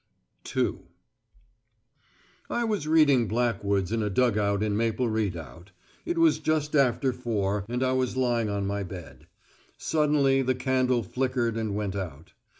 II I was reading Blackwood's in a dug out in Maple Redoubt. It was just after four, and I was lying on my bed. Suddenly the candle flickered and went out.